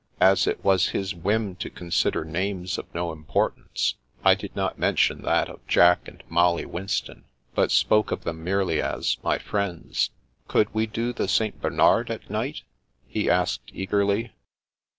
As it was his whim to consider names of no impor tance, I did not mention that of Jack and Molly Winston, but spoke of them merely as "my friends." "0>uld we do the St. Bernard at night?'* he asked eagerly.